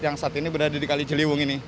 yang saat ini berada di kali ciliwung ini